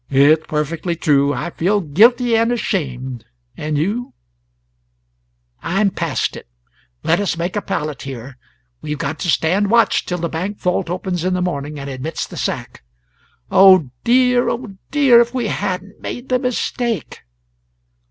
"It's perfectly true. I feel guilty and ashamed. And you?" "I'm past it. Let us make a pallet here; we've got to stand watch till the bank vault opens in the morning and admits the sack. .. Oh dear, oh dear if we hadn't made the mistake!"